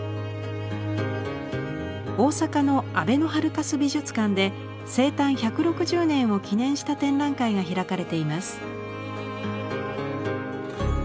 大阪のあべのハルカス美術館で生誕１６０年を記念した展覧会が開かれています。